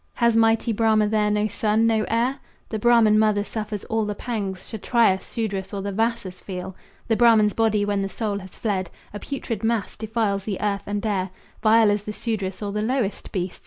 Has mighty Brahma there no son, no heir? The Brahman mother suffers all the pangs Kshatriyas, Sudras or the Vassas feel. The Brahman's body, when the soul has fled, A putrid mass, defiles the earth and air, Vile as the Sudras or the lowest beasts.